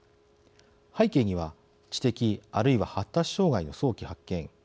背景には知的あるいは発達障害の早期発見。